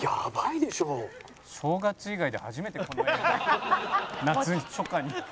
「正月以外で初めてこの映像」「夏に初夏に」